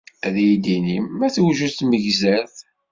Ad iyi-d-inim ma tewjed tmegzert?